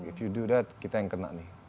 if you do that kita yang kena nih